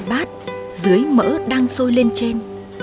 gỡ ra bát dưới mỡ đang sôi lên trên